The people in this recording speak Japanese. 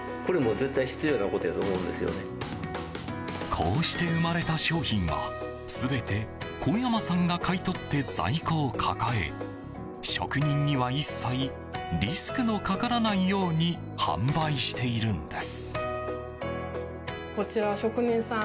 こうして生まれた商品は全て小山さんが買い取って在庫を抱え職人には一切リスクのかからないように販売しているんです。